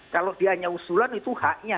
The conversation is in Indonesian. kalau dia nyusulan itu haknya